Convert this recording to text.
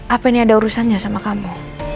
apa ini ada urusannya sama kamu